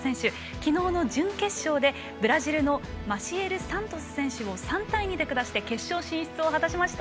昨日の準決勝でブラジルのマシエル・サントス選手を３対２で下して決勝進出を果たしました。